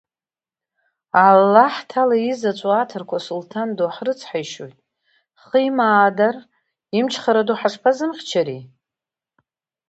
Аллаҳҭаала изаҵәу аҭырқу сулҭан ду ҳрыцҳаишьоит, ҳхы имаадар, имчхара ду ҳашԥазымхьчари?!